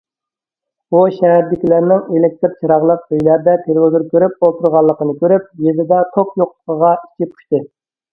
ئۇ شەھەردىكىلەرنىڭ ئېلېكتىر چىراغلىق ئۆيلەردە تېلېۋىزور كۆرۈپ ئولتۇرغانلىقىنى كۆرۈپ، يېزىدا توك يوقلۇقىغا ئىچى پۇشتى.